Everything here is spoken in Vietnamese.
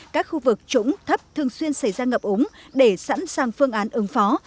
các khu vực trũng thấp thường xuyên xảy ra ngập ống để sẵn sàng phương án ứng phó